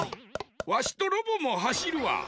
わしとロボもはしるわ。